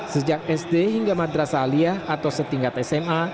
sejak sd hingga madrasah alia atau setingkat sma